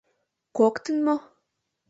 — Коктын мо?